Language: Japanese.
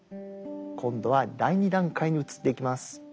今度は第２段階に移っていきます。